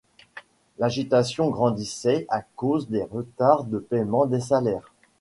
L’agitation grandissait à cause des retards de paiement des salaires.